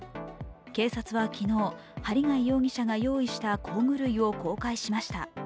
警察は昨日、針谷容疑者が用意した工具類を公開しました。